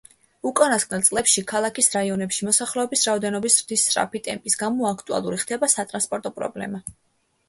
უკანასკნელ წლებში ქალაქის რაიონებში მოსახლეობის რაოდენობის ზრდის სწრაფი ტემპის გამო აქტუალური ხდება სატრანსპორტო პრობლემა.